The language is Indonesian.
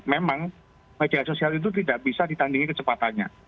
memang media sosial itu tidak bisa ditandingi kecepatannya